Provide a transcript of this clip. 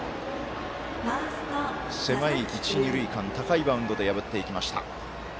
狭い一、二塁間、高いバウンドで破っていきました。